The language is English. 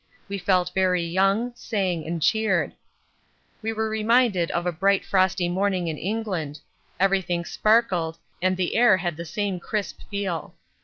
We felt very young, sang and cheered we were reminded of a bright frosty morning in England everything sparkled and the air had the same crisp feel.